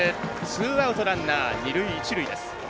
ツーアウトランナー、二塁、一塁です。